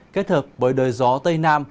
kết hợp bởi đời gió tây nam